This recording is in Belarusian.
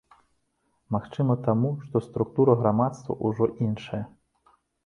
Магчыма, таму, што структура грамадства ўжо іншая.